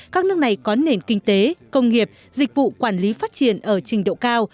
các nước này có nền kinh tế công nghiệp dịch vụ quản lý phát triển ở trình độ cao